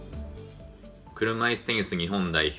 車いすテニス日本代表